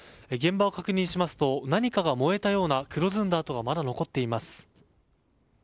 現場を確認しますと何かが燃えたような黒ずんだ跡がまだ残っています。